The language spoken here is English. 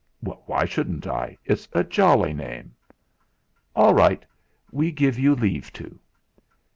"Why shouldn't I? It's a jolly name!" "All right; we give you leave to!"